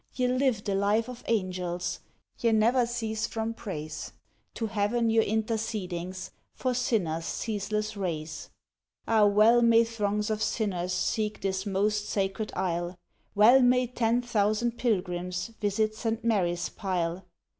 Ye live the life of Angels; Ye never cease from praise, To Heaven your intercedings For sinners ceaseless raise. Ah! well may throngs of sinners Seek this most Sacred Isle, Well may ten thousand pilgrims Visit St. Mary's pile.